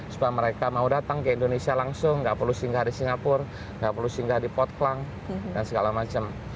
supaya mereka mau datang ke indonesia langsung nggak perlu singgah di singapura nggak perlu singgah di pot plan dan segala macam